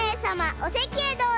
おせきへどうぞ！